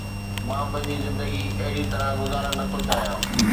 مان پنهنجي زندگي اهڙي طرح گذارڻ نٿو چاهيان.